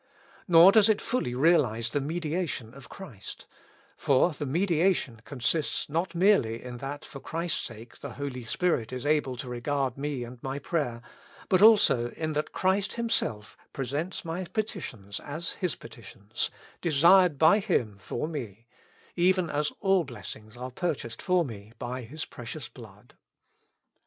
Nor does it fully realize the mediation of Christ ; for the medi ation consists not merely in that for Christ's sake the Holy Father is able to regard me and my prayer ; 198 With Christ in the School of Prayer. but also, in that Christ Himself presents my petitions as His petitions, desired by Him for me, even as all blessings are purchased for me by His precious blood.